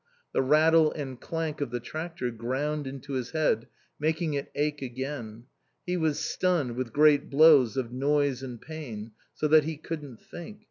The rattle and clank of the tractor ground into his head, making it ache again. He was stunned with great blows of noise and pain, so that he couldn't think.